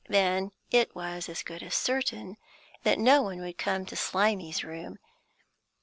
Then it was as good as certain that no one would come to Slimy's room.